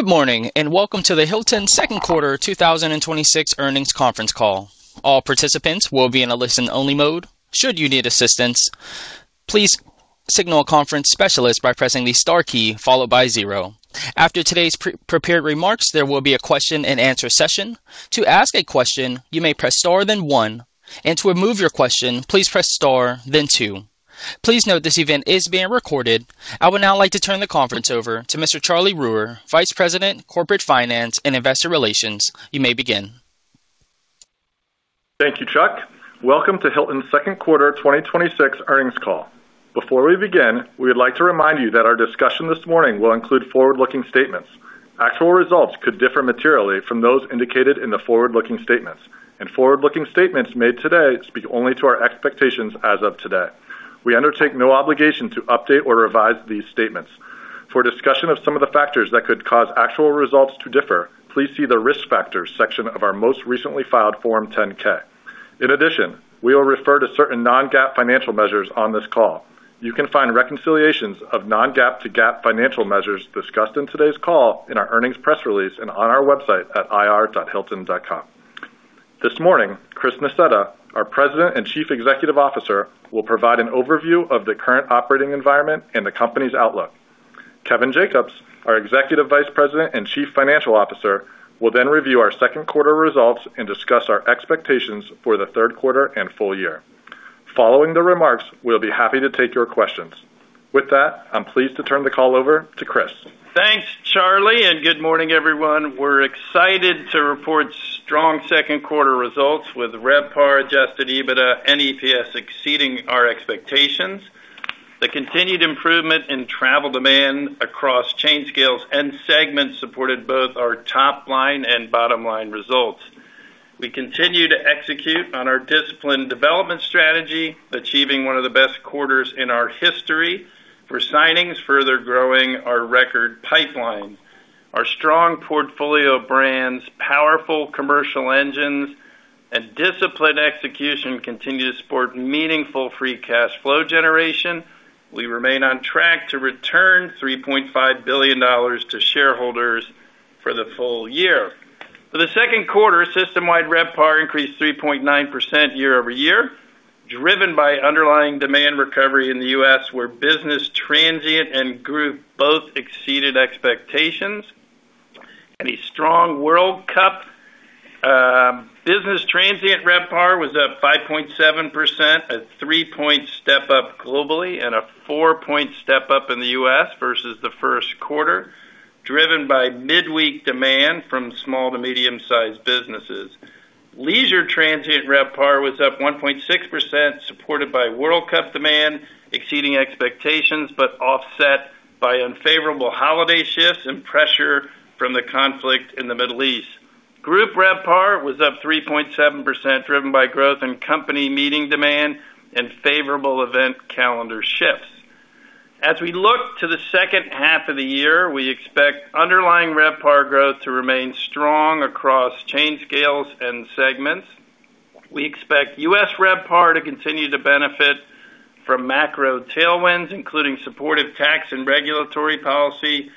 Good morning, welcome to the Hilton second quarter 2026 earnings conference call. All participants will be in a listen-only mode. Should you need assistance, please signal a conference specialist by pressing the star key, followed by zero. After today's prepared remarks, there will be a question and answer session. To ask a question, you may press star, then one. To remove your question, please press star, then two. Please note this event is being recorded. I would now like to turn the conference over to Mr. Charlie Ruehr, Vice President, Corporate Finance and Investor Relations. You may begin. Thank you, Chuck. Welcome to Hilton's second quarter 2026 earnings call. Before we begin, we would like to remind you that our discussion this morning will include forward-looking statements. Actual results could differ materially from those indicated in the forward-looking statements. Forward-looking statements made today speak only to our expectations as of today. We undertake no obligation to update or revise these statements. For discussion of some of the factors that could cause actual results to differ, please see the Risk Factors section of our most recently filed Form 10-K. In addition, we will refer to certain non-GAAP financial measures on this call. You can find reconciliations of non-GAAP to GAAP financial measures discussed in today's call in our earnings press release and on our website at ir.hilton.com. This morning, Chris Nassetta, our President and Chief Executive Officer, will provide an overview of the current operating environment and the company's outlook. Kevin Jacobs, our Executive Vice President and Chief Financial Officer, will then review our second quarter results and discuss our expectations for the third quarter and full year. Following the remarks, we'll be happy to take your questions. With that, I'm pleased to turn the call over to Chris. Thanks, Charlie. Good morning, everyone. We're excited to report strong second quarter results with RevPAR, Adjusted EBITDA and EPS exceeding our expectations. The continued improvement in travel demand across chain scales and segments supported both our top-line and bottom-line results. We continue to execute on our disciplined development strategy, achieving one of the best quarters in our history for signings, further growing our record pipeline. Our strong portfolio of brands, powerful commercial engines, and disciplined execution continue to support meaningful free cash flow generation. We remain on track to return $3.5 billion to shareholders for the full year. For the second quarter, system-wide RevPAR increased 3.9% year-over-year, driven by underlying demand recovery in the U.S., where business transient and group both exceeded expectations and a strong World Cup. Business Transient RevPAR was up 5.7%, a three-point step up globally and a four-point step up in the U.S. versus the first quarter, driven by midweek demand from small to medium-sized businesses. Leisure Transient RevPAR was up 1.6%, supported by World Cup demand exceeding expectations but offset by unfavorable holiday shifts and pressure from the conflict in the Middle East. Group RevPAR was up 3.7%, driven by growth in company meeting demand and favorable event calendar shifts. As we look to the second half of the year, we expect underlying RevPAR growth to remain strong across chain scales and segments. We expect U.S. RevPAR to continue to benefit from macro tailwinds, including supportive tax and regulatory policy,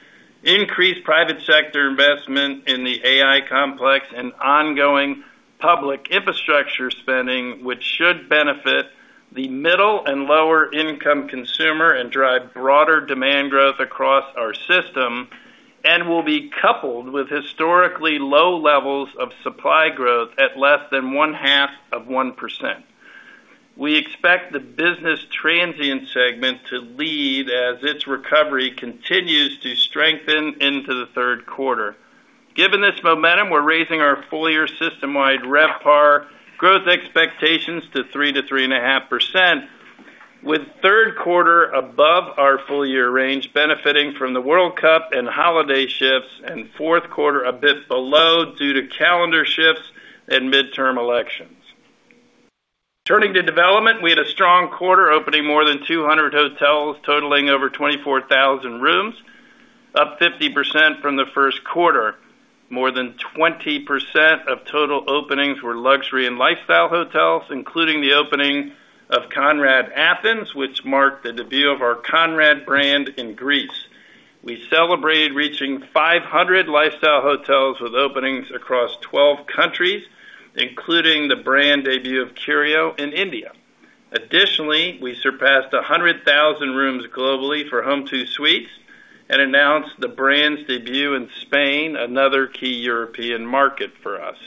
increased private sector investment in the AI complex, and ongoing public infrastructure spending, which should benefit the middle and lower income consumer and drive broader demand growth across our system, and will be coupled with historically low levels of supply growth at less than 1/2 of 1%. We expect the business transient segment to lead as its recovery continues to strengthen into the third quarter. Given this momentum, we're raising our full-year system-wide RevPAR growth expectations to 3%-3.5%, with third quarter above our full-year range benefiting from the World Cup and holiday shifts, and fourth quarter a bit below due to calendar shifts and midterm elections. Turning to development, we had a strong quarter, opening more than 200 hotels totaling over 24,000 rooms, up 50% from the first quarter. More than 20% of total openings were luxury and lifestyle hotels, including the opening of Conrad Athens, which marked the debut of our Conrad brand in Greece. We celebrated reaching 500 lifestyle hotels with openings across 12 countries, including the brand debut of Curio in India. Additionally, we surpassed 100,000 rooms globally for Home2 Suites and announced the brand's debut in Spain, another key European market for us.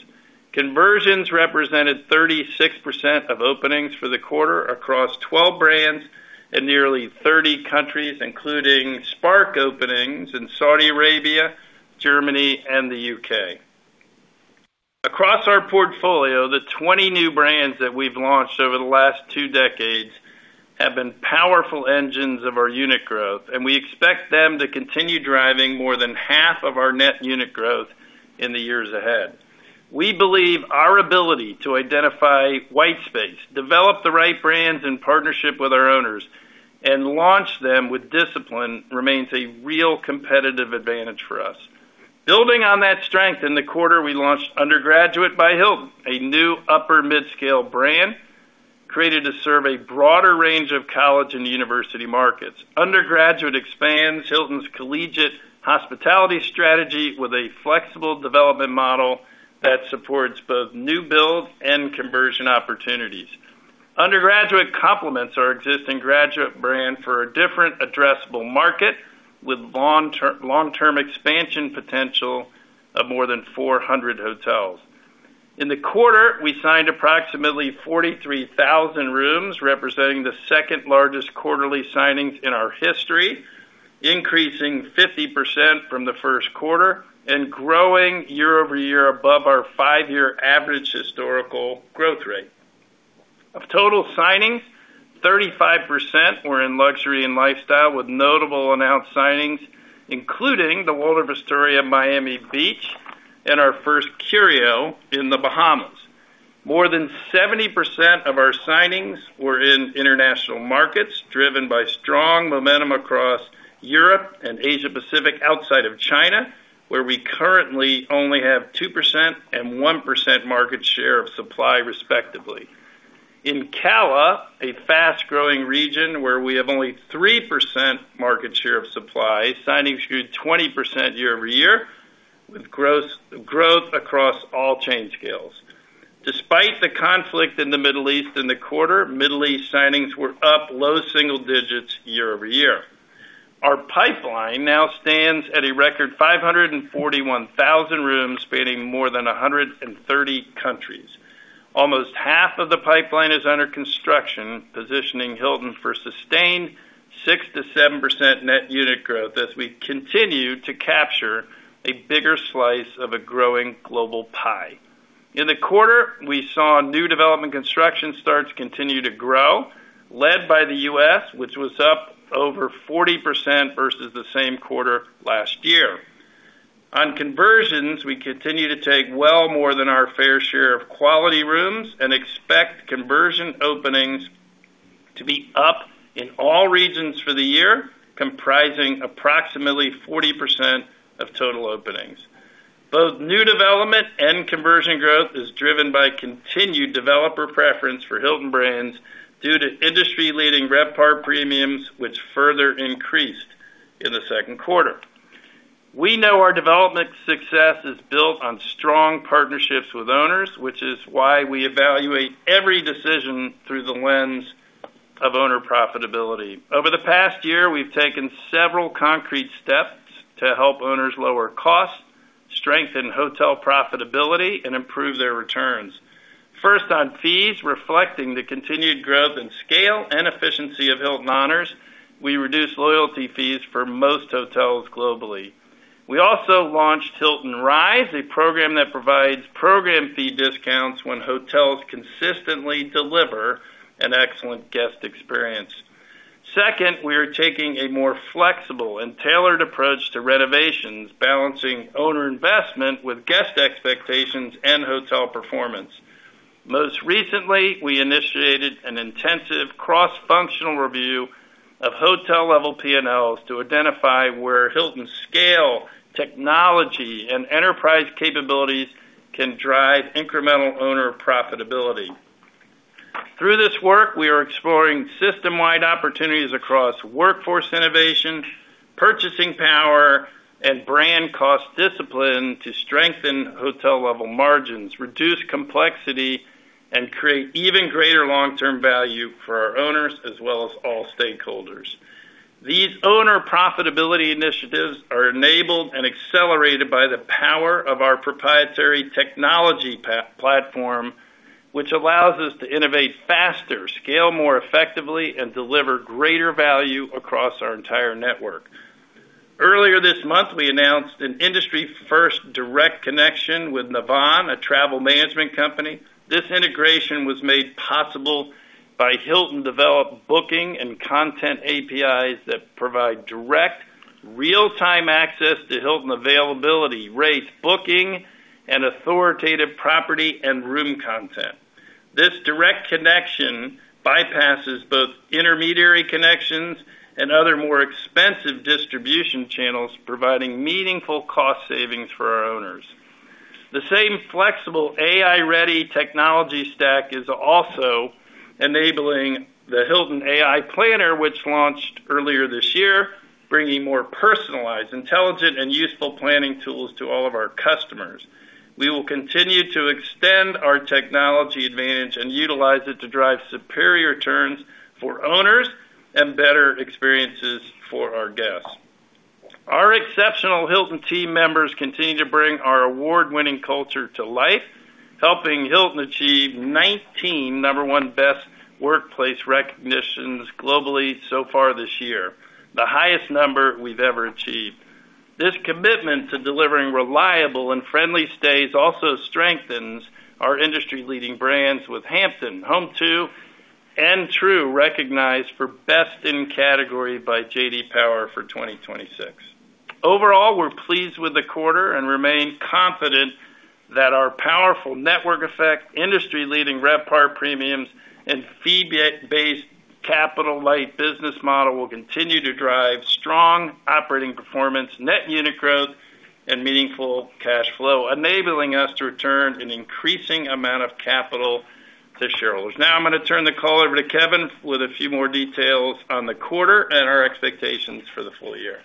Conversions represented 36% of openings for the quarter across 12 brands in nearly 30 countries, including Spark openings in Saudi Arabia, Germany, and the U.K. Across our portfolio, the 20 new brands that we've launched over the last two decades have been powerful engines of our unit growth, and we expect them to continue driving more than half of our net unit growth in the years ahead. We believe our ability to identify white space, develop the right brands in partnership with our owners, and launch them with discipline remains a real competitive advantage for us. Building on that strength, in the quarter, we launched Undergraduate by Hilton, a new upper mid-scale brand. Created to serve a broader range of college and university markets. Undergraduate expands Hilton's collegiate hospitality strategy with a flexible development model that supports both new build and conversion opportunities. Undergraduate complements our existing Graduate brand for a different addressable market, with long-term expansion potential of more than 400 hotels. In the quarter, we signed approximately 43,000 rooms, representing the second largest quarterly signings in our history, increasing 50% from the first quarter, and growing year-over-year above our five-year average historical growth rate. Of total signings, 35% were in luxury and lifestyle, with notable announced signings, including the Waldorf Astoria Miami Beach and our first Curio in the Bahamas. More than 70% of our signings were in international markets, driven by strong momentum across Europe and Asia Pacific outside of China, where we currently only have 2% and 1% market share of supply, respectively. In CALA, a fast-growing region where we have only 3% market share of supply, signings grew 20% year-over-year, with growth across all chain scales. Despite the conflict in the Middle East in the quarter, Middle East signings were up low single digits year-over-year. Our pipeline now stands at a record 541,000 rooms, spanning more than 130 countries. Almost half of the pipeline is under construction, positioning Hilton for sustained 6%-7% net unit growth as we continue to capture a bigger slice of a growing global pie. In the quarter, we saw new development construction starts continue to grow, led by the U.S., which was up over 40% versus the same quarter last year. On conversions, we continue to take well more than our fair share of quality rooms and expect conversion openings to be up in all regions for the year, comprising approximately 40% of total openings. Both new development and conversion growth is driven by continued developer preference for Hilton brands due to industry-leading RevPAR premiums, which further increased in the second quarter. We know our development success is built on strong partnerships with owners, which is why we evaluate every decision through the lens of owner profitability. Over the past year, we've taken several concrete steps to help owners lower costs, strengthen hotel profitability, and improve their returns. First, on fees, reflecting the continued growth and scale and efficiency of Hilton Honors, we reduced loyalty fees for most hotels globally. We also launched Hilton RISE, a program that provides program fee discounts when hotels consistently deliver an excellent guest experience. Second, we are taking a more flexible and tailored approach to renovations, balancing owner investment with guest expectations and hotel performance. Most recently, we initiated an intensive cross-functional review of hotel-level P&Ls to identify where Hilton's scale, technology, and enterprise capabilities can drive incremental owner profitability. Through this work, we are exploring system-wide opportunities across workforce innovation, purchasing power, and brand cost discipline to strengthen hotel level margins, reduce complexity, and create even greater long-term value for our owners as well as all stakeholders. These owner profitability initiatives are enabled and accelerated by the power of our proprietary technology platform, which allows us to innovate faster, scale more effectively, and deliver greater value across our entire network. Earlier this month, we announced an industry-first direct connection with Navan, a travel management company. This integration was made possible by Hilton-developed booking and content APIs that provide direct real-time access to Hilton availability, rates, booking, and authoritative property and room content. This direct connection bypasses both intermediary connections and other more expensive distribution channels, providing meaningful cost savings for our owners. The same flexible AI-ready technology stack is also enabling the Hilton AI Planner, which launched earlier this year, bringing more personalized, intelligent, and useful planning tools to all of our customers. We will continue to extend our technology advantage and utilize it to drive superior returns for owners and better experiences for our guests. Our exceptional Hilton team members continue to bring our award-winning culture to life, helping Hilton achieve 19 No. 1 Best Workplace recognitions globally so far this year, the highest number we've ever achieved. This commitment to delivering reliable and friendly stays also strengthens our industry-leading brands, with Hampton, Home2 and Tru recognized for best in category by J.D. Power for 2026. Overall, we're pleased with the quarter and remain confident that our powerful network effect, industry-leading RevPAR premiums, and fee-based capital-light business model will continue to drive strong operating performance, net unit growth and meaningful cash flow, enabling us to return an increasing amount of capital to shareholders. Now I'm going to turn the call over to Kevin with a few more details on the quarter and our expectations for the full year.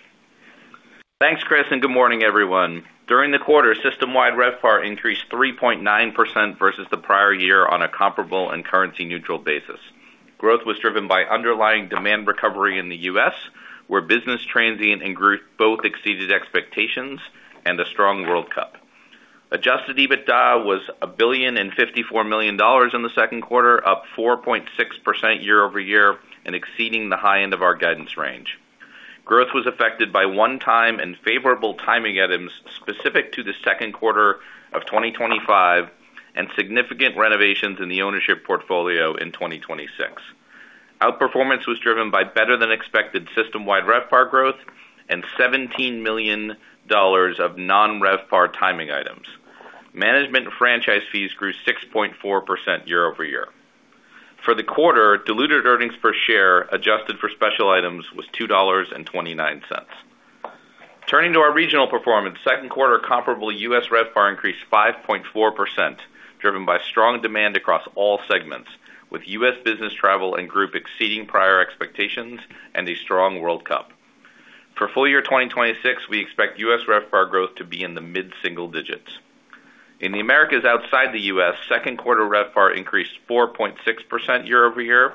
Thanks, Chris, and good morning, everyone. During the quarter, system-wide RevPAR increased 3.9% versus the prior year on a comparable and currency-neutral basis. Growth was driven by underlying demand recovery in the U.S., where business transient and growth both exceeded expectations and a strong World Cup. Adjusted EBITDA was $1.054 billion in the second quarter, up 4.6% year-over-year, and exceeding the high end of our guidance range. Growth was affected by one-time and favorable timing items specific to the second quarter of 2025 and significant renovations in the ownership portfolio in 2026. Outperformance was driven by better-than-expected system-wide RevPAR growth and $17 million of non-RevPAR timing items. Management and Franchise Fees grew 6.4% year-over-year. For the quarter, diluted earnings per share adjusted for special items was $2.29. Turning to our regional performance, second quarter comparable U.S. RevPAR increased 5.4%, driven by strong demand across all segments, with U.S. business travel and group exceeding prior expectations and a strong World Cup. For full year 2026, we expect U.S. RevPAR growth to be in the mid-single digits. In the Americas outside the U.S., second quarter RevPAR increased 4.6% year-over-year,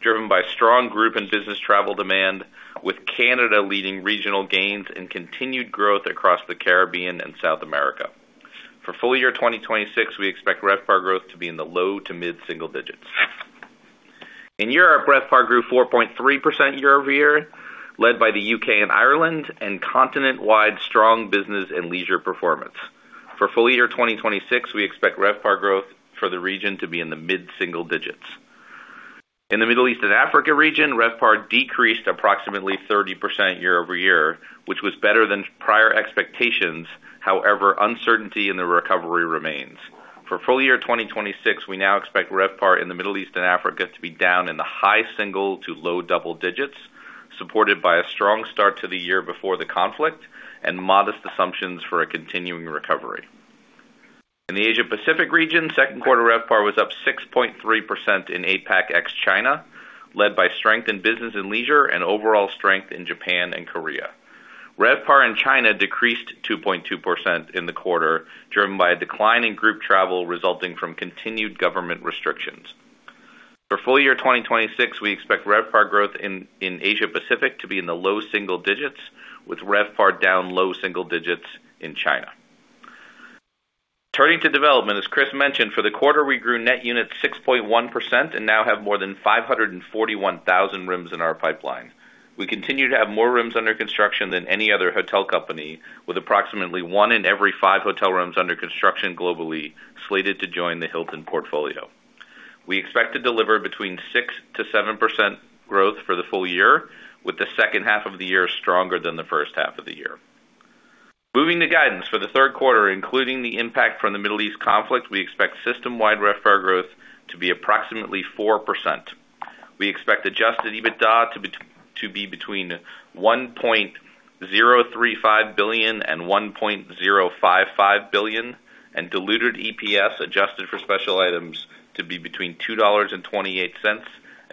driven by strong group and business travel demand, with Canada leading regional gains and continued growth across the Caribbean and South America. For full year 2026, we expect RevPAR growth to be in the low to mid-single digits. In Europe, RevPAR grew 4.3% year-over-year, led by the U.K. and Ireland and continent-wide strong business and leisure performance. For full year 2026, we expect RevPAR growth for the region to be in the mid-single digits. In the Middle East and Africa region, RevPAR decreased approximately 30% year-over-year, which was better than prior expectations. However, uncertainty in the recovery remains. For full year 2026, we now expect RevPAR in the Middle East and Africa to be down in the high single to low double digits, supported by a strong start to the year before the conflict and modest assumptions for a continuing recovery. In the Asia Pacific region, second quarter RevPAR was up 6.3% in APAC ex China, led by strength in business and leisure and overall strength in Japan and Korea. RevPAR in China decreased 2.2% in the quarter, driven by a decline in group travel resulting from continued government restrictions. For full year 2026, we expect RevPAR growth in Asia Pacific to be in the low single digits, with RevPAR down low single digits in China. Turning to development, as Chris mentioned, for the quarter, we grew net units 6.1% and now have more than 541,000 rooms in our pipeline. We continue to have more rooms under construction than any other hotel company, with approximately one in every five hotel rooms under construction globally slated to join the Hilton portfolio. We expect to deliver between 6%-7% growth for the full year, with the second half of the year stronger than the first half of the year. Moving to guidance for the third quarter, including the impact from the Middle East conflict, we expect system-wide RevPAR growth to be approximately 4%. We expect Adjusted EBITDA to be between $1.035 billion and $1.055 billion, and diluted EPS adjusted for special items to be between $2.28 and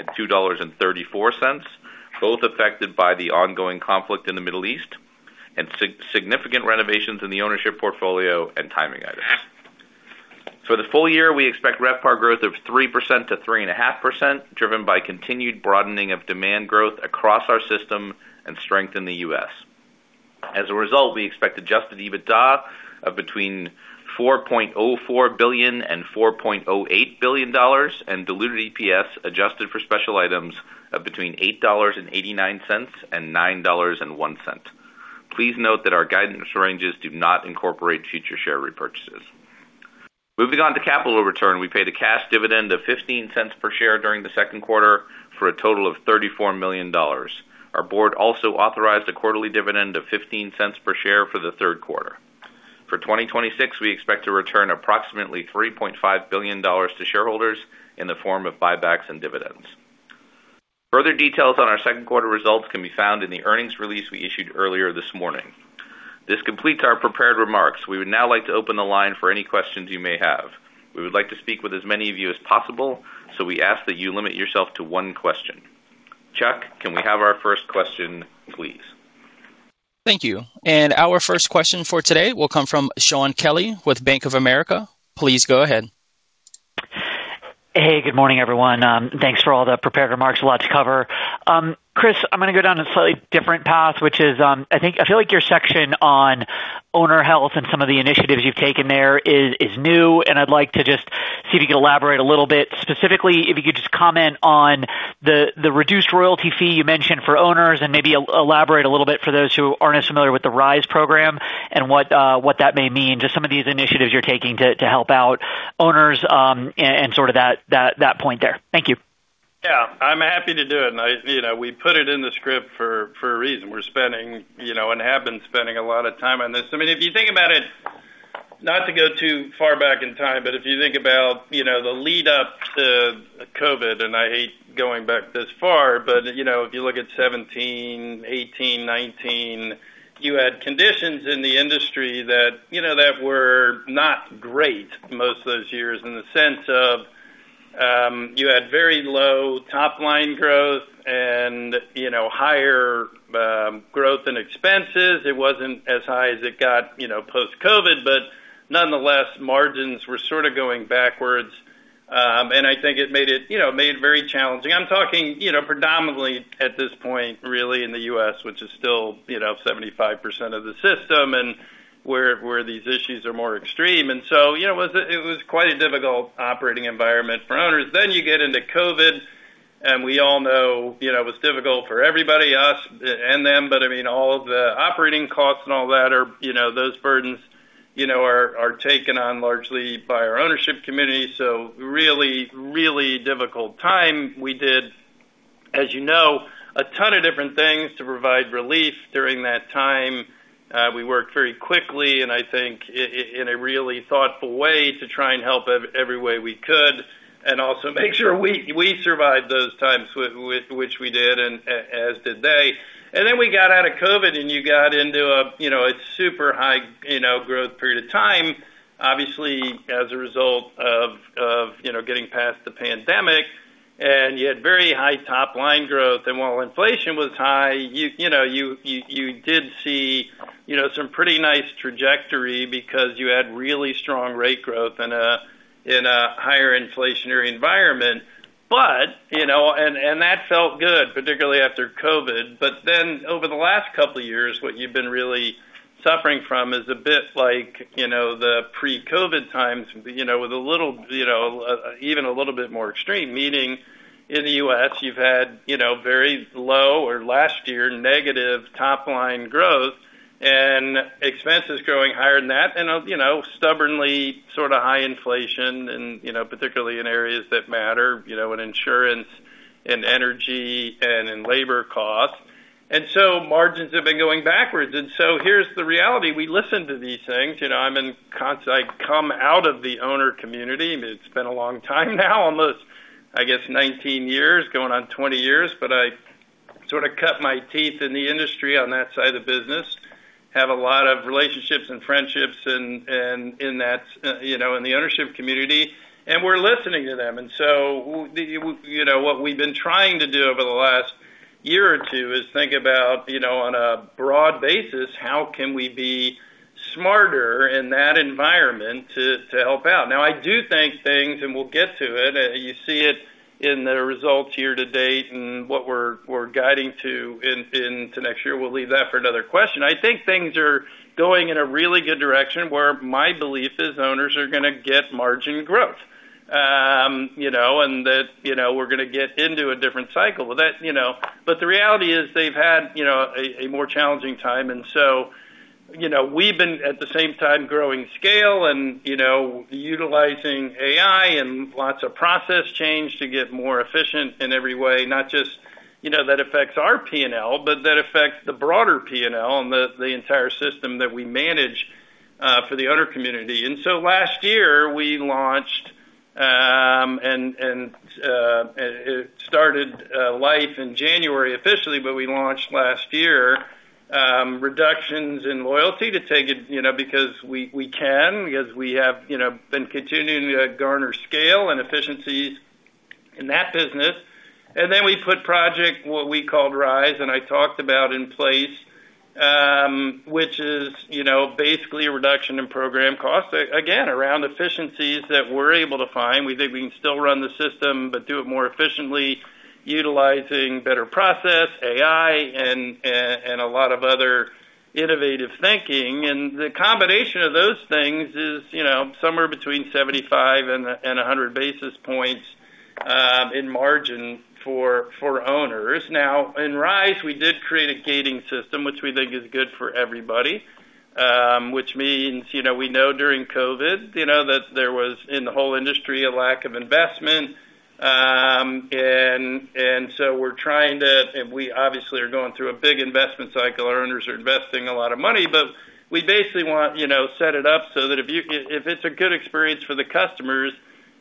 $2.34, both affected by the ongoing conflict in the Middle East and significant renovations in the ownership portfolio and timing items. For the full year, we expect RevPAR growth of 3%-3.5%, driven by continued broadening of demand growth across our system and strength in the U.S. As a result, we expect Adjusted EBITDA of between $4.04 billion and $4.08 billion and diluted EPS adjusted for special items of between $8.89 and $9.01. Please note that our guidance ranges do not incorporate future share repurchases. Moving on to capital return, we paid a cash dividend of $0.15 per share during the second quarter for a total of $34 million. Our board also authorized a quarterly dividend of $0.15 per share for the third quarter. For 2026, we expect to return approximately $3.5 billion to shareholders in the form of buybacks and dividends. Further details on our second quarter results can be found in the earnings release we issued earlier this morning. This completes our prepared remarks. We would now like to open the line for any questions you may have. We would like to speak with as many of you as possible, so we ask that you limit yourself to one question. Chuck, can we have our first question, please? Thank you. Our first question for today will come from Shaun Kelley with Bank of America. Please go ahead. Good morning, everyone. Thanks for all the prepared remarks. A lot to cover. Chris, I'm going to go down a slightly different path, which is, I feel like your section on owner health and some of the initiatives you've taken there is new, and I'd like to just see if you could elaborate a little bit. Specifically, if you could just comment on the reduced royalty fee you mentioned for owners and maybe elaborate a little bit for those who aren't as familiar with the RISE program and what that may mean, just some of these initiatives you're taking to help out owners, and sort of that point there. Thank you. I'm happy to do it. We put it in the script for a reason. We're spending, and have been spending a lot of time on this. If you think about it. Not to go too far back in time, but if you think about the lead up to COVID, and I hate going back this far, but if you look at 2017, 2018, 2019, you had conditions in the industry that were not great most of those years in the sense of, you had very low top-line growth and higher growth in expenses. It wasn't as high as it got post-COVID, but nonetheless, margins were sort of going backwards. I think it made it very challenging. I'm talking predominantly at this point, really in the U.S., which is still 75% of the system, and where these issues are more extreme. It was quite a difficult operating environment for owners. You get into COVID, and we all know it was difficult for everybody, us and them, but all of the operating costs and all that, those burdens are taken on largely by our ownership community. Really difficult time. We did, as you know, a ton of different things to provide relief during that time. We worked very quickly, and I think in a really thoughtful way, to try and help every way we could, and also make sure we survived those times, which we did, and as did they. We got out of COVID and you got into a super high growth period of time, obviously, as a result of getting past the pandemic. You had very high top-line growth, and while inflation was high, you did see some pretty nice trajectory because you had really strong rate growth in a higher inflationary environment. That felt good, particularly after COVID. Over the last couple of years, what you've been really suffering from is a bit like the pre-COVID times, even a little bit more extreme. Meaning, in the U.S., you've had very low, or last year, negative top-line growth and expenses growing higher than that, and stubbornly high inflation and particularly in areas that matter, in insurance, in energy, and in labor costs. Margins have been going backwards. Here's the reality. We listen to these things. I come out of the owner community. It's been a long time now, almost, I guess, 19 years, going on 20 years. I sort of cut my teeth in the industry on that side of the business, have a lot of relationships and friendships in the ownership community, and we're listening to them. What we've been trying to do over the last year or two is think about, on a broad basis, how can we be smarter in that environment to help out. I do think things, and we'll get to it. You see it in the results year to date and what we're guiding to into next year. We'll leave that for another question. I think things are going in a really good direction where my belief is owners are going to get margin growth. We're going to get into a different cycle. The reality is they've had a more challenging time. We've been, at the same time, growing scale and utilizing AI and lots of process change to get more efficient in every way, not just that affects our P&L, but that affects the broader P&L and the entire system that we manage for the owner community. Last year, we launched and started life in January officially, but we launched last year, reductions in loyalty because we can, because we have been continuing to garner scale and efficiencies in that business. We put project, what we called RISE, and I talked about in place, which is basically a reduction in program cost, again, around efficiencies that we're able to find. We think we can still run the system, but do it more efficiently utilizing better process, AI, and a lot of other innovative thinking. The combination of those things is somewhere between 75 and 100 basis points in margin for owners. In RISE, we did create a gating system, which we think is good for everybody. We know during COVID, that there was, in the whole industry, a lack of investment. We obviously are going through a big investment cycle. Our owners are investing a lot of money, but we basically want to set it up so that if it's a good experience for the customers,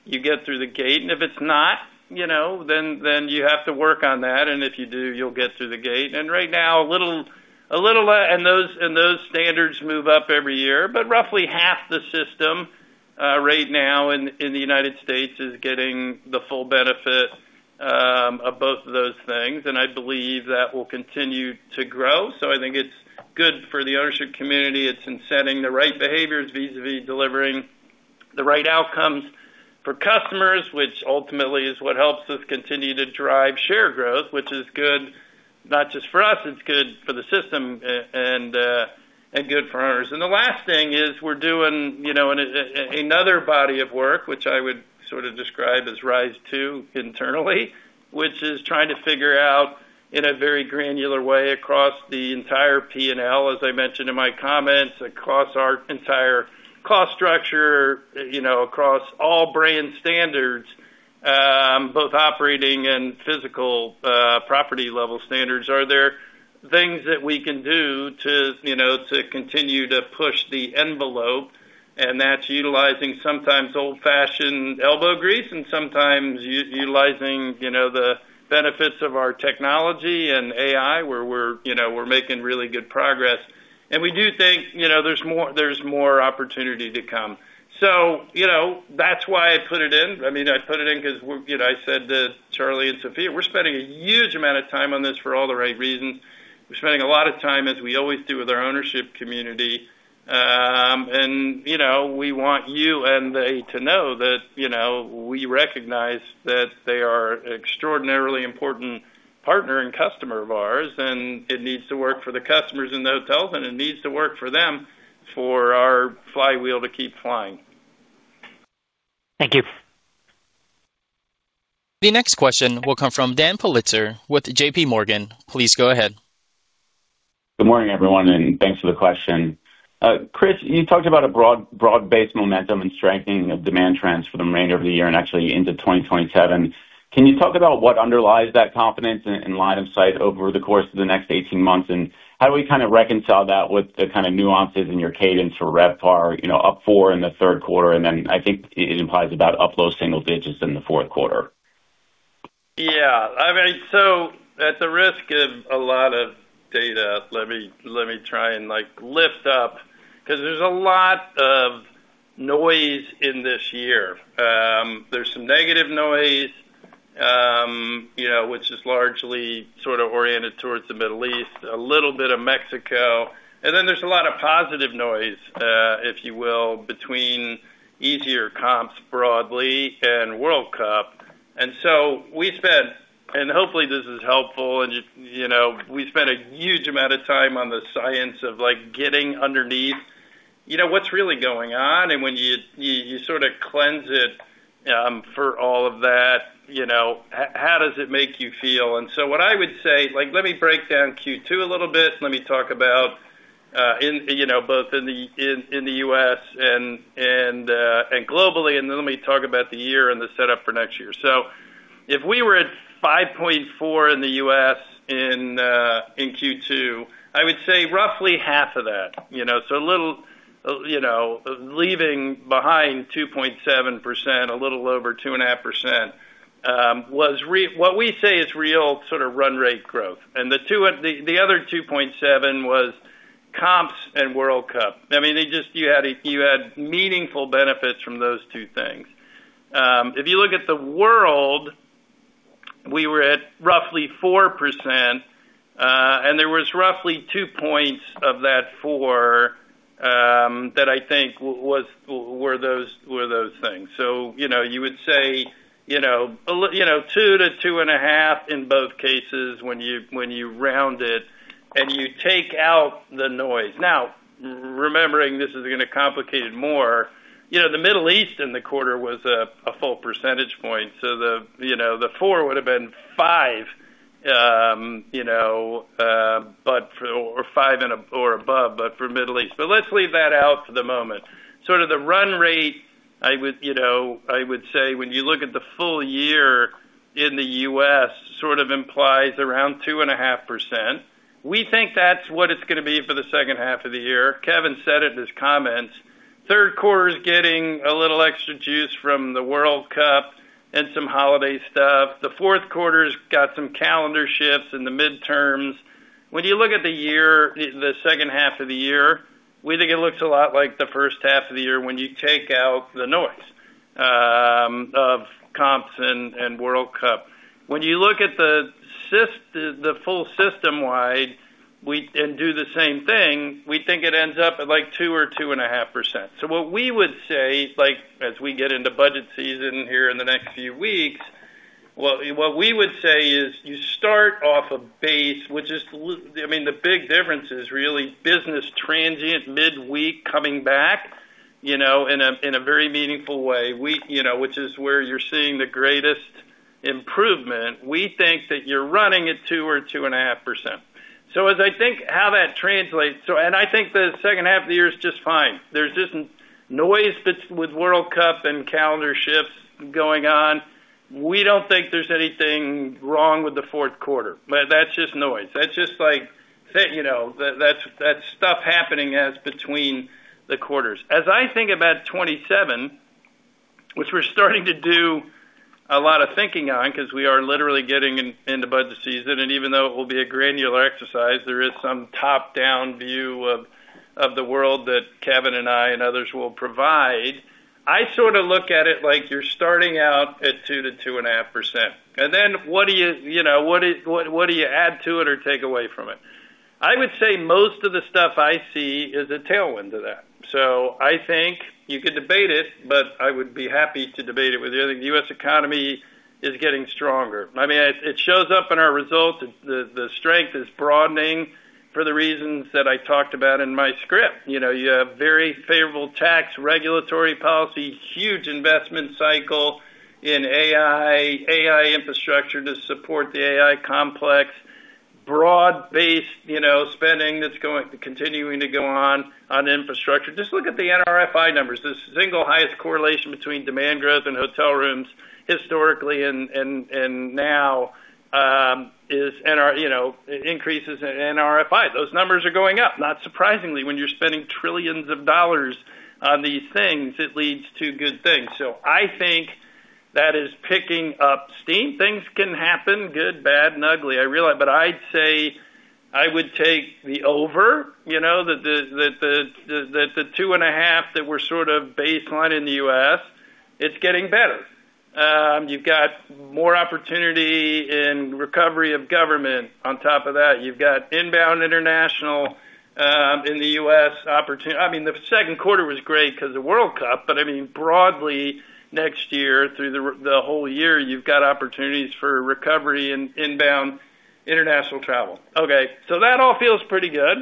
you get through the gate, and if it's not, then you have to work on that. If you do, you'll get through the gate. Right now, those standards move up every year. Roughly half the system right now in the United States is getting the full benefit of both of those things. I believe that will continue to grow. I think it's good for the ownership community. It's incenting the right behaviors vis-a-vis delivering the right outcomes for customers, which ultimately is what helps us continue to drive share growth, which is good not just for us, it's good for the system and good for our owners. The last thing is we're doing another body of work, which I would sort of describe as RISE 2 internally, which is trying to figure out, in a very granular way, across the entire P&L, as I mentioned in my comments, across our entire cost structure, across all brand standards Both operating and physical property level standards. Are there things that we can do to continue to push the envelope? That's utilizing sometimes old-fashioned elbow grease and sometimes utilizing the benefits of our technology and AI, where we're making really good progress. We do think there's more opportunity to come. That's why I put it in. I put it in because I said to Charlie and Sophia, we're spending a huge amount of time on this for all the right reasons. We're spending a lot of time, as we always do, with our ownership community. We want you and they to know that we recognize that they are extraordinarily important partner and customer of ours, and it needs to work for the customers in the hotels, and it needs to work for them for our flywheel to keep flying. Thank you. The next question will come from Dan Politzer with JPMorgan. Please go ahead. Good morning, everyone. Thanks for the question. Chris, you talked about a broad-based momentum and strengthening of demand trends for the remainder of the year and actually into 2027. Can you talk about what underlies that confidence and line of sight over the course of the next 18 months? How do we kind of reconcile that with the kind of nuances in your cadence for RevPAR, up four in the third quarter, and then I think it implies about up low single digits in the fourth quarter. Yeah. At the risk of a lot of data, let me try and lift up, because there's a lot of noise in this year. There's some negative noise, which is largely sort of oriented towards the Middle East, a little bit of Mexico. There's a lot of positive noise, if you will, between easier comps broadly and World Cup. Hopefully this is helpful, we spent a huge amount of time on the science of getting underneath what's really going on, and when you sort of cleanse it for all of that, how does it make you feel? What I would say, let me break down Q2 a little bit. Let me talk about both in the U.S. and globally, then let me talk about the year and the setup for next year. If we were at 5.4% in the U.S. in Q2, I would say roughly half of that. Leaving behind 2.7%, a little over 2.5%, was what we say is real sort of run rate growth. The other 2.7% was comps and World Cup. You had meaningful benefits from those two things. If you look at the world, we were at roughly 4%, there was roughly 2 points of that 4%, that I think were those things. You would say, 2% to 2.5% in both cases, when you round it and you take out the noise. Now, remembering this is going to complicate it more. The Middle East in the quarter was a full percentage point. The 4% would have been 5% or above, but for Middle East. Let's leave that out for the moment. Sort of the run rate, I would say when you look at the full year in the U.S., sort of implies around 2.5%. We think that's what it's going to be for the second half of the year. Kevin said it in his comments. Third quarter is getting a little extra juice from the World Cup and some holiday stuff. The fourth quarter's got some calendar shifts in the midterms. When you look at the year, the second half of the year, we think it looks a lot like the first half of the year when you take out the noise of comps and World Cup. When you look at the full system wide and do the same thing, we think it ends up at like 2 or 2.5%. What we would say, as we get into budget season here in the next few weeks, what we would say is you start off a base. The big difference is really business transient mid-week coming back in a very meaningful way, which is where you're seeing the greatest improvement. We think that you're running at 2 or 2.5%. As I think how that translates. I think the second half of the year is just fine. There's this noise that's with World Cup and calendar shifts going on. We don't think there's anything wrong with the fourth quarter. That's just noise. That's stuff happening as between the quarters. As I think about 2027, which we're starting to do a lot of thinking on because we are literally getting into budget season, even though it will be a granular exercise, there is some top-down view of the world that Kevin and I and others will provide. I sort of look at it like you're starting out at 2%-2.5%, and then what do you add to it or take away from it? I would say most of the stuff I see is a tailwind to that. I think you could debate it, but I would be happy to debate it with you. I think U.S. economy is getting stronger. It shows up in our results. The strength is broadening for the reasons that I talked about in my script. You have very favorable tax regulatory policy, huge investment cycle in AI infrastructure to support the AI complex. Spending that's continuing to go on infrastructure. Just look at the NRFI numbers. The single highest correlation between demand growth and hotel rooms historically and now is increases in NRFI. Those numbers are going up, not surprisingly. When you're spending trillions of dollars on these things, it leads to good things. I think that is picking up steam. Things can happen, good, bad, and ugly, I realize, but I'd say I would take the over, that the 2.5% that we're sort of baseline in the U.S., it's getting better. You've got more opportunity and recovery of government on top of that. You've got inbound international in the U.S. The second quarter was great because of World Cup, broadly, next year, through the whole year, you've got opportunities for recovery in inbound international travel. Okay. That all feels pretty good.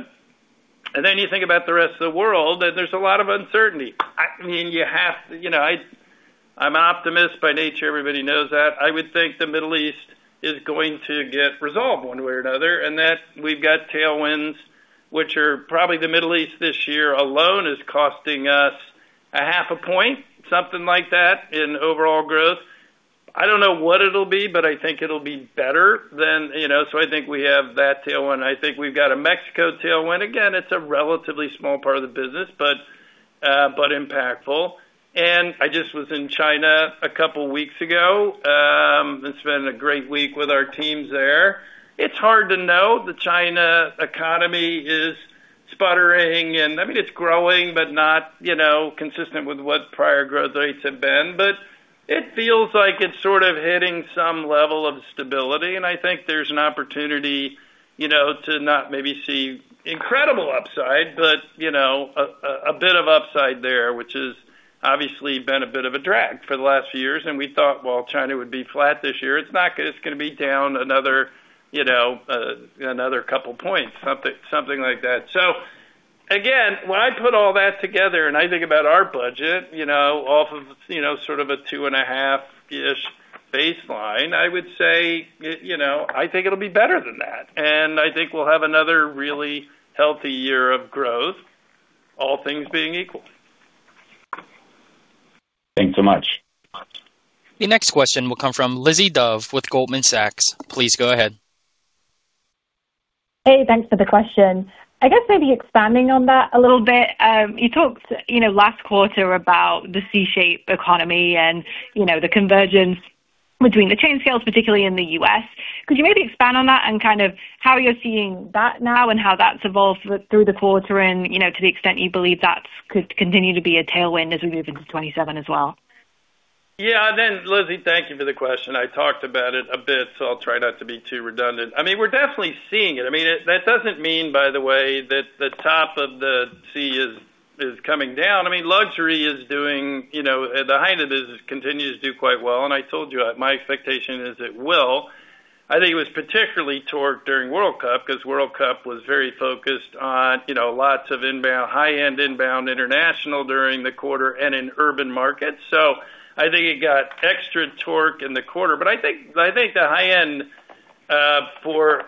Then you think about the rest of the world, there's a lot of uncertainty. I'm an optimist by nature. Everybody knows that. I would think the Middle East is going to get resolved one way or another, that we've got tailwinds, which are probably the Middle East this year alone is costing us a half a point, something like that, in overall growth. I don't know what it'll be, but I think it'll be better. I think we have that tailwind. I think we've got a Mexico tailwind. Again, it's a relatively small part of the business, but impactful. I just was in China a couple weeks ago. It's been a great week with our teams there. It's hard to know. The China economy is sputtering, it's growing, but not consistent with what prior growth rates have been. It feels like it's sort of hitting some level of stability, I think there's an opportunity to not maybe see incredible upside, but a bit of upside there, which has obviously been a bit of a drag for the last few years. We thought while China would be flat this year, it's not, because it's going to be down another couple points, something like that. Again, when I put all that together I think about our budget off of sort of a 2.5%-ish baseline, I would say, I think it'll be better than that, I think we'll have another really healthy year of growth, all things being equal. Thanks so much. The next question will come from Lizzie Dove with Goldman Sachs. Please go ahead. Hey, thanks for the question. I guess maybe expanding on that a little bit. You talked last quarter about the C shape economy and the convergence between the chain scales, particularly in the U.S. Could you maybe expand on that and kind of how you're seeing that now and how that's evolved through the quarter and to the extent you believe that could continue to be a tailwind as we move into 2027 as well? Yeah. Lizzie, thank you for the question. I talked about it a bit, I'll try not to be too redundant. We're definitely seeing it. That doesn't mean, by the way, that the top of the C is coming down. Luxury at the high end of this continues to do quite well, and I told you, my expectation is it will. I think it was particularly torqued during World Cup because World Cup was very focused on lots of high-end inbound international during the quarter and in urban markets. I think it got extra torque in the quarter. I think the high end for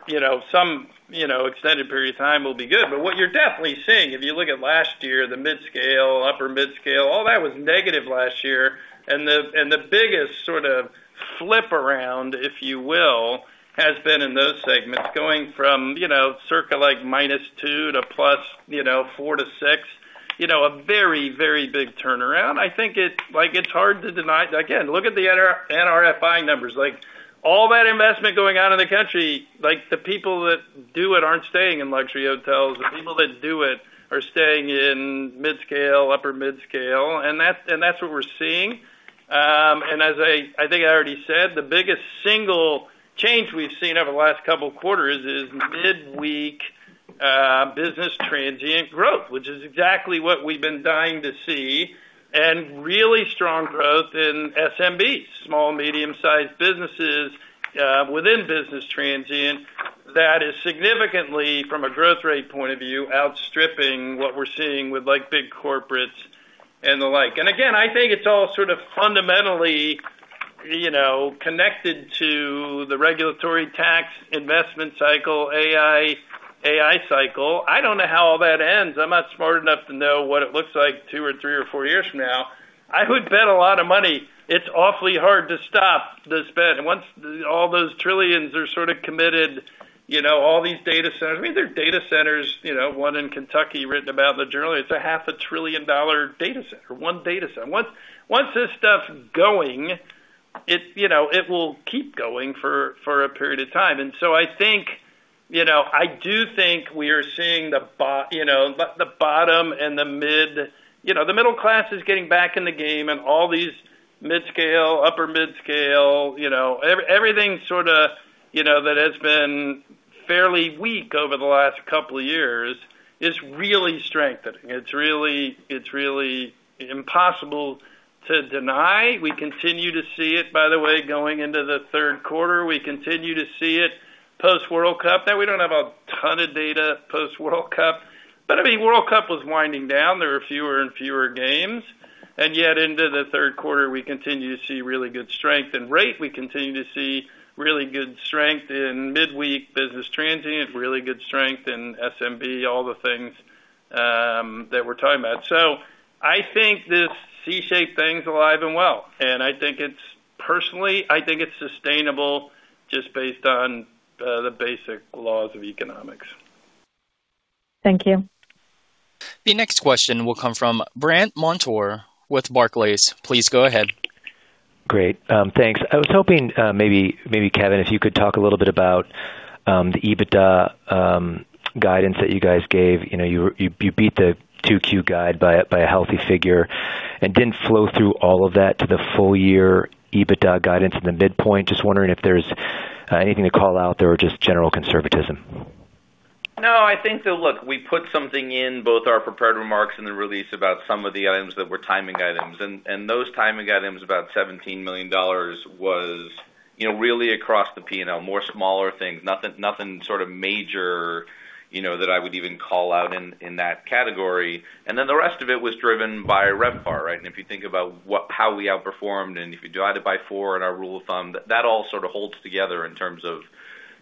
some extended period of time will be good. What you're definitely seeing, if you look at last year, the mid-scale, upper mid-scale, all that was negative last year. The biggest sort of flip around, if you will, has been in those segments, going from circa like minus two to plus four to six. A very, very big turnaround. It's hard to deny. Again, look at the NRFI numbers. All that investment going on in the country, the people that do it aren't staying in luxury hotels. The people that do it are staying in mid-scale, upper mid-scale, and that's what we're seeing. As I think I already said, the biggest single change we've seen over the last couple of quarters is mid-week business transient growth, which is exactly what we've been dying to see, and really strong growth in SMB, small and medium-sized businesses within business transient that is significantly, from a growth rate point of view, outstripping what we're seeing with big corporates and the like. Again, I think it's all sort of fundamentally connected to the regulatory tax investment cycle, AI cycle. I don't know how all that ends. I'm not smart enough to know what it looks like two or three or four years from now. I would bet a lot of money it's awfully hard to stop the spend. Once all those trillions are sort of committed, all these data centers. There are data centers, one in Kentucky, written about in the journal. It's a half a trillion dollar data center. One data center. Once this stuff's going, it will keep going for a period of time. I do think we are seeing the bottom. The middle class is getting back in the game and all these mid-scale, upper mid-scale, everything that has been fairly weak over the last couple of years is really strengthening. It's really impossible to deny. We continue to see it, by the way, going into the third quarter. We continue to see it post-World Cup. Now, we don't have a ton of data post-World Cup, but World Cup was winding down. There were fewer and fewer games. Yet into the third quarter, we continue to see really good strength in rate. We continue to see really good strength in midweek business transient, really good strength in SMB, all the things that we're talking about. I think this C shape thing is alive and well. Personally, I think it's sustainable just based on the basic laws of economics. Thank you. The next question will come from Brandt Montour with Barclays. Please go ahead. Great. Thanks. I was hoping maybe, Kevin, if you could talk a little bit about the EBITDA guidance that you guys gave. You beat the 2Q guide by a healthy figure and didn't flow through all of that to the full year EBITDA guidance in the midpoint. Just wondering if there's anything to call out there or just general conservatism. No, I think that Look, we put something in both our prepared remarks in the release about some of the items that were timing items. Those timing items, about $17 million, was really across the P&L, more smaller things, nothing sort of major that I would even call out in that category. Then the rest of it was driven by RevPAR. If you think about how we outperformed, and if you divide it by four and our rule of thumb, that all sort of holds together in terms of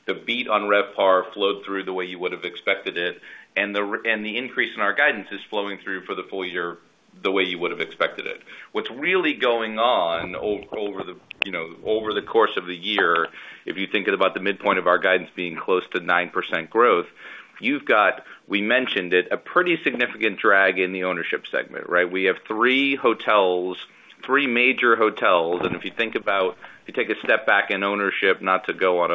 the beat on RevPAR flowed through the way you would have expected it. The increase in our guidance is flowing through for the full year the way you would have expected it. What's really going on over the course of the year, if you think about the midpoint of our guidance being close to 9% growth, you've got, we mentioned it, a pretty significant drag in the ownership segment. We have three major hotels, and if you take a step back in ownership, not to go on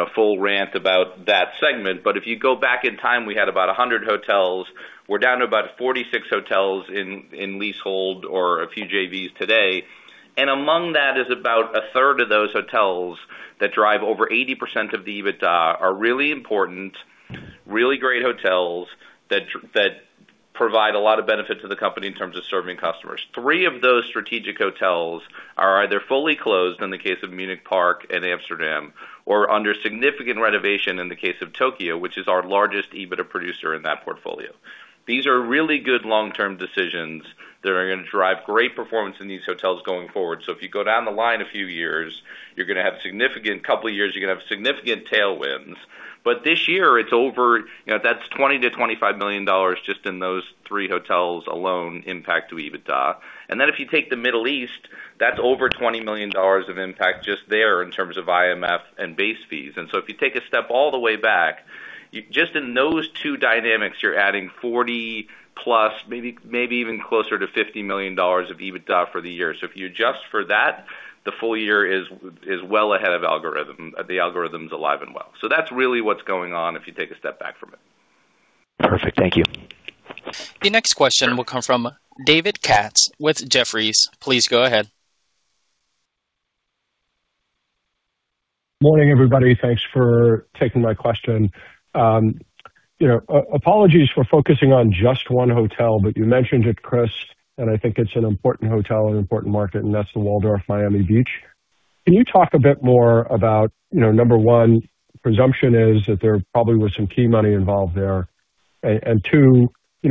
a full rant about that segment, but if you go back in time, we had about 100 hotels. We're down to about 46 hotels in leasehold or a few JVs today. Among that is about 1/3 of those hotels that drive over 80% of the EBITDA, are really important, really great hotels that provide a lot of benefit to the company in terms of serving customers. Three of those strategic hotels are either fully closed in the case of Munich Park and Amsterdam, or under significant renovation in the case of Tokyo, which is our largest EBITDA producer in that portfolio. These are really good long-term decisions that are going to drive great performance in these hotels going forward. If you go down the line a few years, couple of years, you're going to have significant tailwinds. This year, that's $20 million-$25 million just in those three hotels alone impact to EBITDA. If you take the Middle East, that's over $20 million of impact just there in terms of IMF and Base Fees. If you take a step all the way back, just in those two dynamics, you're adding $40+ million, maybe even closer to $50 million of EBITDA for the year. If you adjust for that, the full year is well ahead of algorithm. The algorithm's alive and well. That's really what's going on if you take a step back from it. Perfect. Thank you. The next question will come from David Katz with Jefferies. Please go ahead. Morning, everybody. Thanks for taking my question. Apologies for focusing on just one hotel. You mentioned it, Chris, and I think it's an important hotel and important market, and that's the Waldorf Astoria Miami Beach. Can you talk a bit more about, number one, presumption is that there probably was some key money involved there. Two,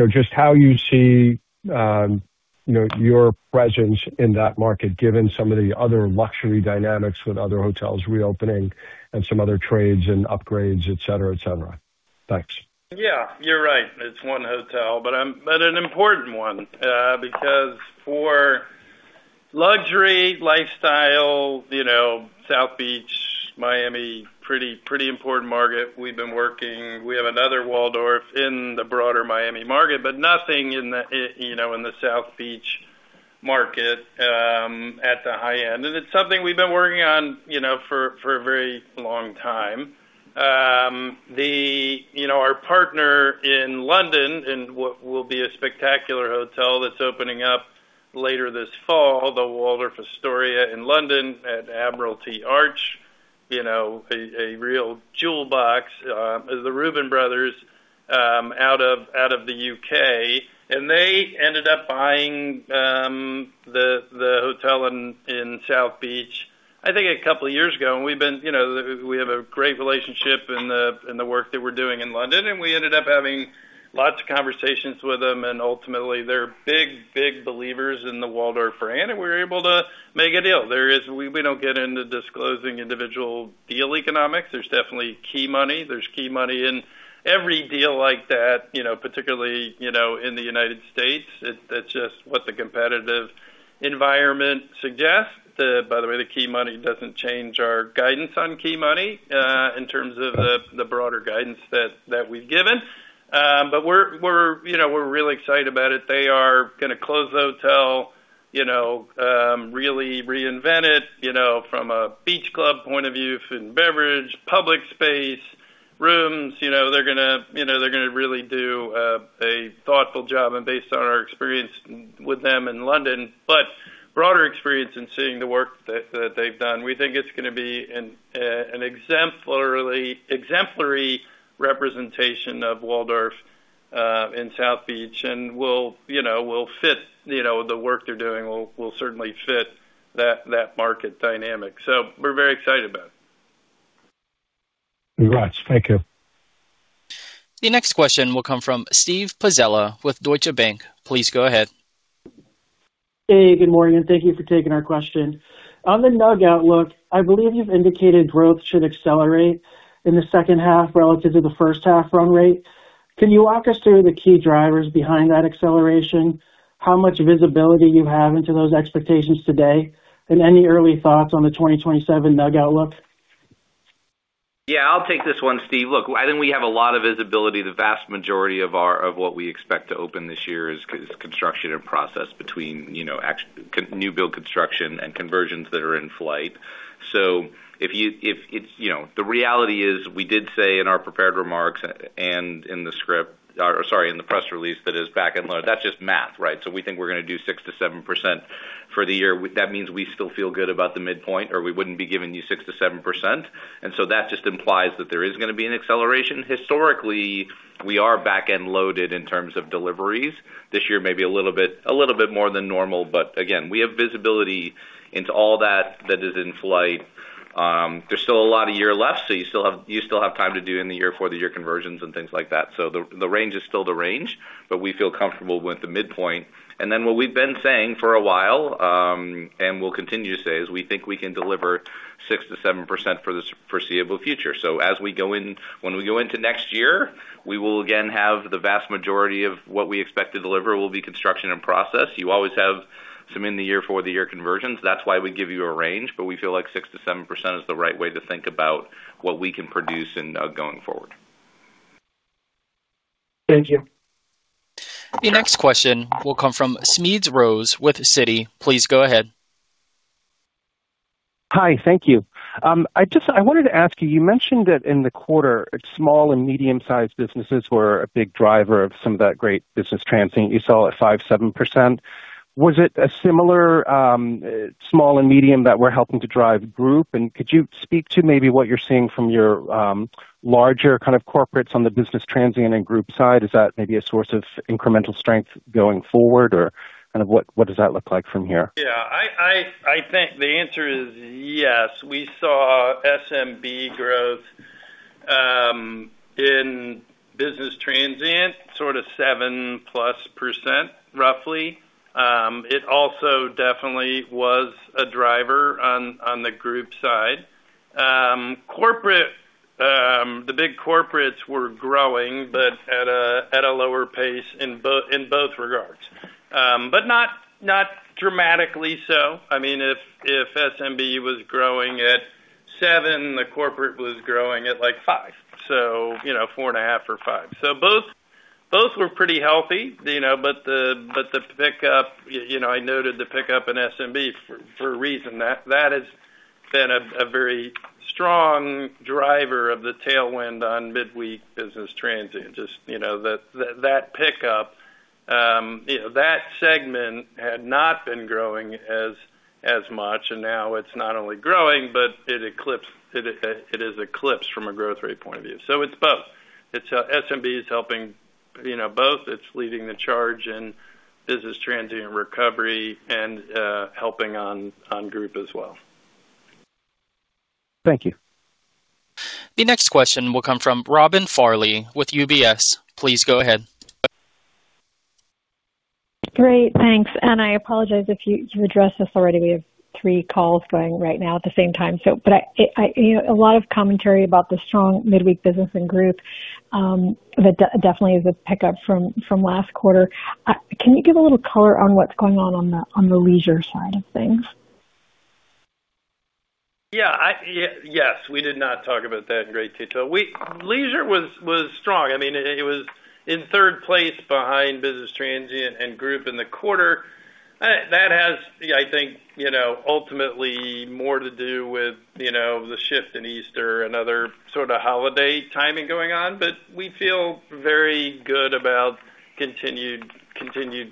just how you see your presence in that market, given some of the other luxury dynamics with other hotels reopening and some other trades and upgrades, et cetera. Thanks. Yeah, you're right. It's one hotel, but an important one. For luxury lifestyle, South Beach, Miami, pretty important market. We have another Waldorf in the broader Miami market, but nothing in the South Beach market at the high end. It's something we've been working on for a very long time. Our partner in London, in what will be a spectacular hotel that's opening up later this fall, the Waldorf Astoria in London at Admiralty Arch, a real jewel box, is the Reuben Brothers out of the U.K. They ended up buying the hotel in South Beach, I think a couple of years ago. We have a great relationship in the work that we're doing in London, and we ended up having lots of conversations with them, and ultimately, they're big believers in the Waldorf brand, and we were able to make a deal. We don't get into disclosing individual deal economics. There's definitely key money. There's key money in every deal like that, particularly in the United States. That's just what the competitive environment suggests. By the way, the key money doesn't change our guidance on key money in terms of the broader guidance that we've given. We're really excited about it. They are going to close the hotel, really reinvent it from a beach club point of view, food and beverage, public space, rooms. They're going to really do a thoughtful job based on our experience with them in London. Broader experience in seeing the work that they've done, we think it's going to be an exemplary representation of Waldorf in South Beach. The work they're doing will certainly fit that market dynamic. We're very excited about it. Congrats. Thank you. The next question will come from Steve Pizzella with Deutsche Bank. Please go ahead. Hey, good morning and thank you for taking our question. On the NUG outlook, I believe you've indicated growth should accelerate in the second half relative to the first half run rate. Can you walk us through the key drivers behind that acceleration, how much visibility you have into those expectations today, and any early thoughts on the 2027 NUG outlook? Yeah, I'll take this one, Steve. Look, I think we have a lot of visibility. The vast majority of what we expect to open this year is construction and process between new build construction and conversions that are in flight. The reality is, we did say in our prepared remarks and in the script or sorry, in the press release, that is back-end load. That's just math, right? We think we're going to do 6%-7% for the year. That means we still feel good about the midpoint, or we wouldn't be giving you 6%-7%. That just implies that there is going to be an acceleration. Historically, we are back-end loaded in terms of deliveries. This year may be a little bit more than normal, but again, we have visibility into all that that is in flight. There's still a lot of year left, you still have time to do in the year for the year conversions and things like that. The range is still the range, but we feel comfortable with the midpoint. What we've been saying for a while, and we'll continue to say, is we think we can deliver 6%-7% for the foreseeable future. When we go into next year, we will again have the vast majority of what we expect to deliver will be construction and process. You always have some in the year for the year conversions. That's why we give you a range, but we feel like 6%-7% is the right way to think about what we can produce in NUG going forward. Thank you. The next question will come from Smedes Rose with Citi. Please go ahead. Hi. Thank you. I wanted to ask you mentioned that in the quarter, small and medium-sized businesses were a big driver of some of that great Business Transient you saw at 5.7%. Was it a similar small and medium that were helping to drive group? Could you speak to maybe what you're seeing from your larger kind of corporates on the business transient and group side? Is that maybe a source of incremental strength going forward, or kind of what does that look like from here? Yeah. I think the answer is yes. We saw SMB growth in Business Transient, sort of 7%+ roughly. It also definitely was a driver on the group side. The big corporates were growing, but at a lower pace in both regards. Not dramatically so. If SMB was growing at 7%, the corporate was growing at 5%, 4.5% or 5%. Both were pretty healthy. I noted the pickup in SMB for a reason. That has been a very strong driver of the tailwind on midweek business transient. That pickup, that segment had not been growing as much, and now it's not only growing, but it is eclipsed from a growth rate point of view. It's both. SMB is helping both. It's leading the charge in business transient recovery and helping on group as well. Thank you. The next question will come from Robin Farley with UBS. Please go ahead. Great. Thanks. I apologize if you addressed this already. We have three calls going right now at the same time. A lot of commentary about the strong midweek business and group that definitely is a pickup from last quarter. Can you give a little color on what's going on on the leisure side of things? Yeah. Yes. We did not talk about that in great detail. Leisure was strong. It was in third place behind Business Transient and Group in the quarter. That has, I think, ultimately more to do with the shift in Easter and other sort of holiday timing going on. We feel very good about continued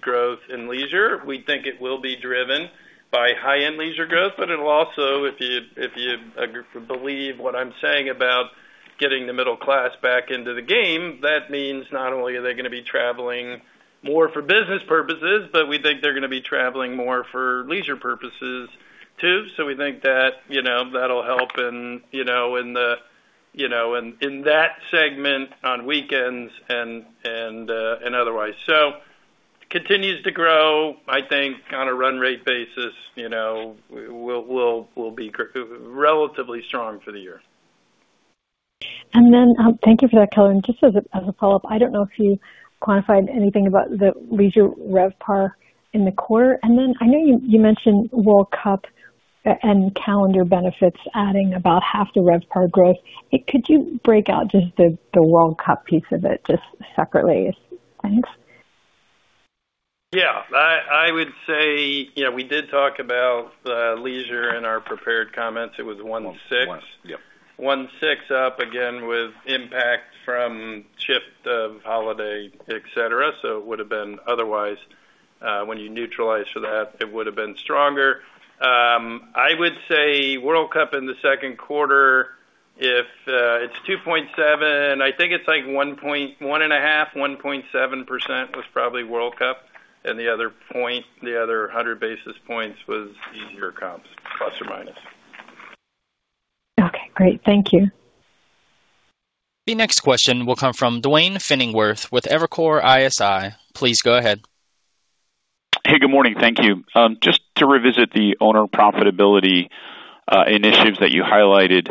growth in Leisure. We think it will be driven by high-end leisure growth, but it'll also, if you believe what I'm saying about getting the middle class back into the game, that means not only are they going to be traveling more for business purposes, but we think they're going to be traveling more for leisure purposes, too. We think that'll help in that segment on weekends and otherwise. Continues to grow, I think, on a run rate basis, will be relatively strong for the year. Thank you for that color. Just as a follow-up, I don't know if you quantified anything about the Leisure RevPAR in the quarter. I know you mentioned World Cup and calendar benefits adding about half the RevPAR growth. Could you break out just the World Cup piece of it just separately? Thanks. I would say we did talk about leisure in our prepared comments. It was one six. One six. One six up again with impact from shift of holiday, et cetera. It would have been otherwise when you neutralize for that, it would have been stronger. I would say World Cup in the second quarter, it's 2.7%. I think it's like 1.5%, 1.7% was probably World Cup. The other point, the other 100 basis points was easier comps, plus or minus. Okay, great. Thank you. The next question will come from Duane Pfennigwerth with Evercore ISI. Please go ahead. Hey, good morning. Thank you. Just to revisit the owner profitability initiatives that you highlighted,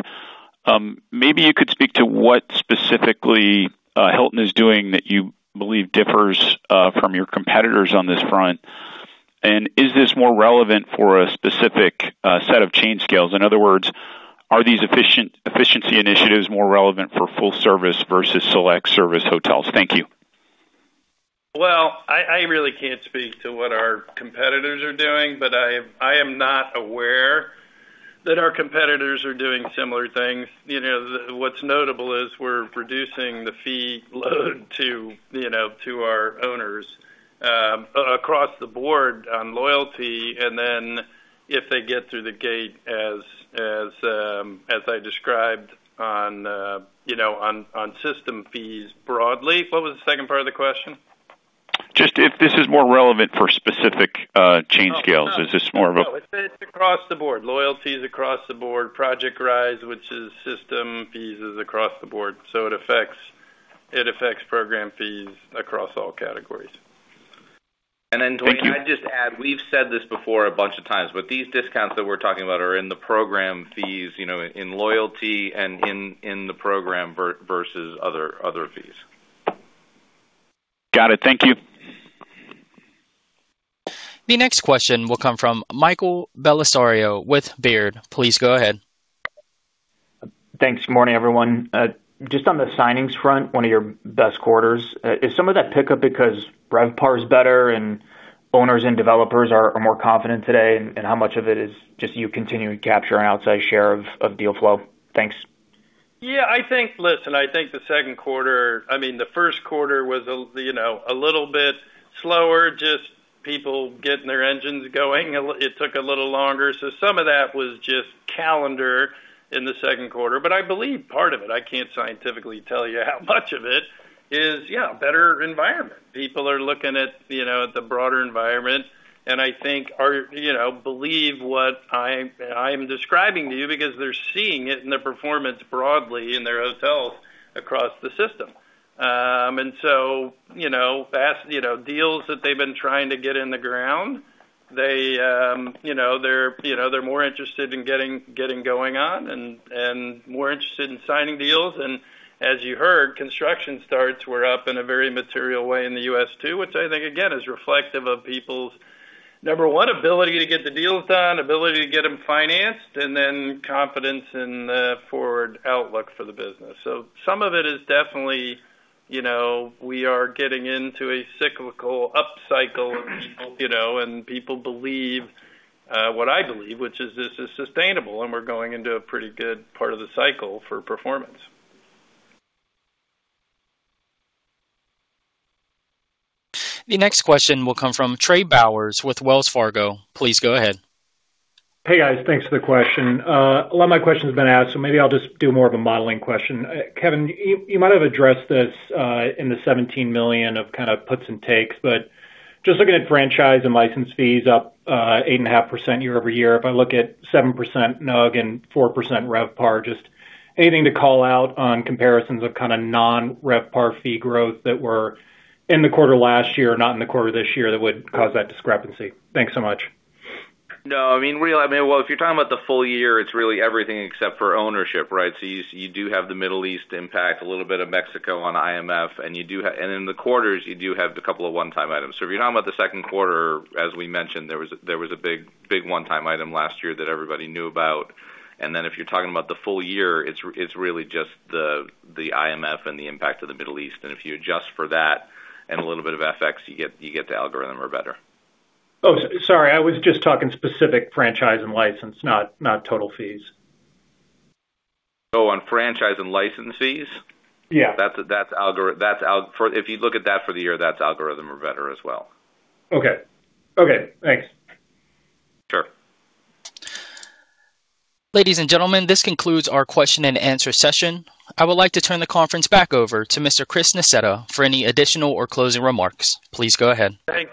maybe you could speak to what specifically Hilton is doing that you believe differs from your competitors on this front, and is this more relevant for a specific set of chain scales? In other words, are these efficiency initiatives more relevant for full service versus select service hotels? Thank you. Well, I really can't speak to what our competitors are doing, but I am not aware that our competitors are doing similar things. What's notable is we're reducing the fee load to our owners across the board on loyalty, and then if they get through the gate, as I described on system fees broadly. What was the second part of the question? Just if this is more relevant for specific chain scales. Is this more of a- No, it's across the board. Loyalty is across the board. Project RISE, which is system fees, is across the board. It affects program fees across all categories. Thank you. Duane, can I just add, we've said this before a bunch of times, but these discounts that we're talking about are in the program fees, in loyalty and in the program versus other fees. Got it. Thank you. The next question will come from Michael Bellisario with Baird. Please go ahead. Thanks. Morning, everyone. Just on the signings front, one of your best quarters. Is some of that pickup because RevPAR is better and owners and developers are more confident today? How much of it is just you continuing to capture an outsized share of deal flow? Thanks. Yeah, listen, I think the first quarter was a little bit slower, just people getting their engines going. It took a little longer. Some of that was just calendar in the second quarter. I believe part of it, I can't scientifically tell you how much of it is, yeah, better environment. People are looking at the broader environment and I think believe what I'm describing to you because they're seeing it in their performance broadly in their hotels across the system. Deals that they've been trying to get in the ground, they're more interested in getting going on and more interested in signing deals. As you heard, construction starts were up in a very material way in the U.S. too, which I think again, is reflective of people's, number one, ability to get the deals done, ability to get them financed, and then confidence in the forward outlook for the business. Some of it is definitely, we are getting into a cyclical up cycle and people believe what I believe, which is this is sustainable, and we're going into a pretty good part of the cycle for performance. The next question will come from Trey Bowers with Wells Fargo. Please go ahead. Hey, guys. Thanks for the question. A lot of my question's been asked, so maybe I'll just do more of a modeling question. Kevin, you might have addressed this in the $17 million of kind of puts and takes, but just looking at Franchise and License Fees up 8.5% year-over-year. If I look at 7% NUG and 4% RevPAR, just anything to call out on comparisons of kind of non-RevPAR fee growth that were in the quarter last year, not in the quarter this year, that would cause that discrepancy? Thanks so much. No, if you're talking about the full year, it's really everything except for ownership, right? You do have the Middle East impact, a little bit of Mexico on IMF, and in the quarters, you do have the couple of one-time items. If you're talking about the second quarter, as we mentioned, there was a big one-time item last year that everybody knew about. If you're talking about the full year, it's really just the IMF and the impact of the Middle East. If you adjust for that and a little bit of FX, you get to algorithm or better. Oh, sorry. I was just talking specific franchise and license, not total fees. Oh, on Franchise and License Fees? Yeah. If you look at that for the year, that's algorithm or better as well. Okay. Thanks. Sure. Ladies and gentlemen, this concludes our question and answer session. I would like to turn the conference back over to Mr. Chris Nassetta for any additional or closing remarks. Please go ahead. Thanks,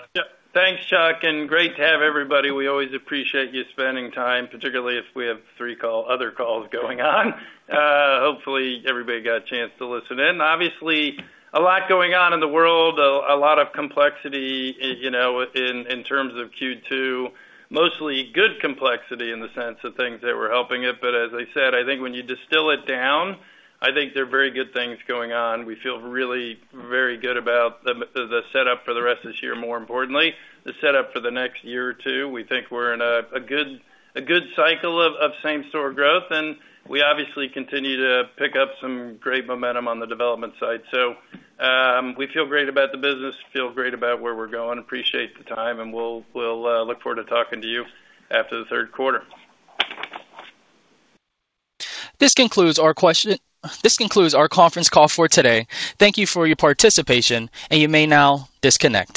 Chuck. Great to have everybody. We always appreciate you spending time, particularly if we have three other calls going on. Hopefully, everybody got a chance to listen in. Obviously, a lot going on in the world, a lot of complexity in terms of Q2, mostly good complexity in the sense of things that were helping it. As I said, I think when you distill it down, I think there are very good things going on. We feel really very good about the setup for the rest of this year, more importantly, the setup for the next year or two. We think we're in a good cycle of same-store growth. We obviously continue to pick up some great momentum on the development side. We feel great about the business, feel great about where we're going. Appreciate the time. We'll look forward to talking to you after the third quarter. This concludes our conference call for today. Thank you for your participation. You may now disconnect.